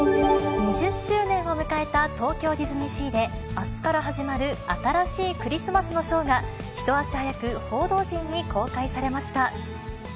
２０周年を迎えた東京ディズニーシーで、あすから始まる新しいクリスマスのショーが、一足早く報道陣に公開されました。